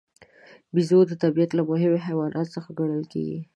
بیزو د طبیعت له مهمو حیواناتو څخه ګڼل کېږي.